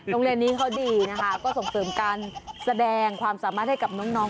โรงเรียนนี้เขาดีนะคะก็ส่งเสริมการแสดงความสามารถให้กับน้อง